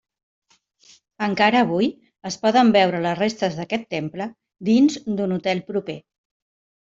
Encara avui es poden veure les restes d'aquest temple dins d'un hotel proper.